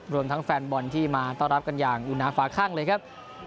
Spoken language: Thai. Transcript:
รวมทั้งแฟนบอลที่มาต้อนรับกันอย่างอุณาฝาข้างเลยครับ